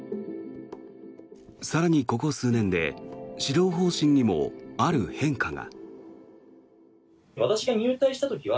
更にここ数年で指導方針にも、ある変化が。